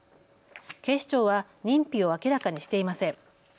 警視庁は認否を明らかにしていません。